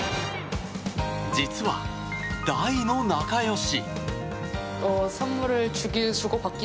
実は、大の仲良し。